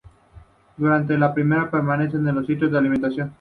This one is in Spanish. Durante el día permanecen en los sitios de alimentación.